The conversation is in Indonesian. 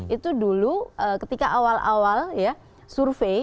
itu dulu ketika awal awal ya survei